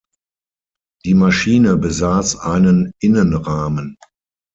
Die Maschine besass einen Innenrahmen.